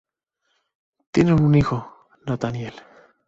Tienen un hijo, Nathaniel.